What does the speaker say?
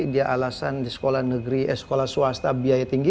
dia alasan di sekolah negeri eh sekolah swasta biaya tinggi